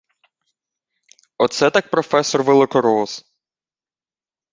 Оце так професор-великорос!